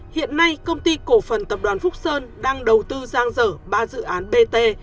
hiện nay công ty cổ phần tập đoàn phúc sơn đang đầu tư giang dở ba dự án bt